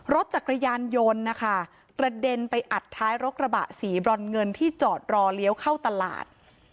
รถจักรยานยนต์นะคะกระเด็นไปอัดท้ายรถกระบะสีบรอนเงินที่จอดรอเลี้ยวเข้าตลาด